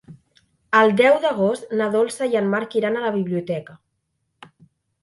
El deu d'agost na Dolça i en Marc iran a la biblioteca.